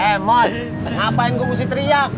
eh mod ngapain gua mesti teriak